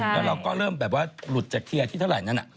และเราก็เริ่มหลุดจากเที่ยที่ตลาดนั่น